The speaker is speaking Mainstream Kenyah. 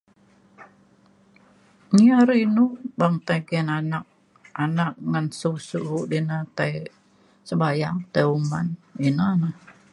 nyi ari inu beng tai nggin anak anak ngan su su di na tai sebayang tai uman ina na